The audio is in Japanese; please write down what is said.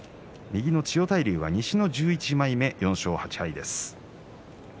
千代大龍が西の１１枚目４勝８敗です。